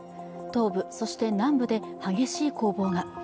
東部、そして南部で激しい攻防が。